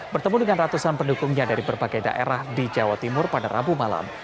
bertemu dengan ratusan pendukungnya dari berbagai daerah di jawa timur pada rabu malam